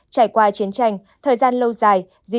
trải qua chiến tranh thời gian lâu dài